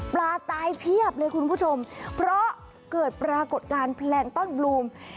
ตายเพียบเลยคุณผู้ชมเพราะเกิดปรากฏการณ์แพลงต้อนบลูม